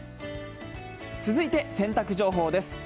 続いて洗濯情報です。